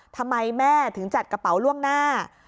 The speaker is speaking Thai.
ทำไมแม่ถึงจัดกระเป๋าล่วงหน้า